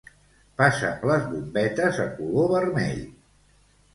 Passa'm les bombetes a color vermell.